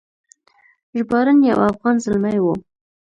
ژباړن یو افغان زلمی و.